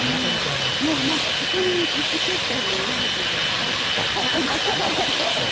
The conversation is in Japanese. そこに意思決定のエネルギーを使いたくないので。